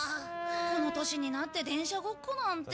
この年になって電車ごっこなんて。